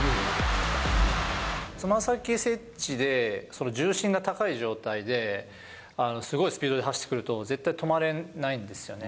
つま先接地で重心が高い状態で、すごいスピードで走ってくると、絶対止まれないんですよね。